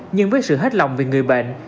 nhưng với sự hết lòng về người bệnh